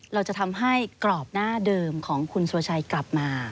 เราจะทำให้กรอบหน้าเดิมของคุณสุรชัยกลับมา